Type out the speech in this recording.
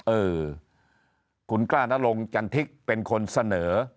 เออคุณกล้านรงจันทิกเป็นคนเสนอ